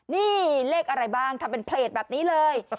นี่เลขอะไรบ้างทำเป็นเพลตแบบนี้เลย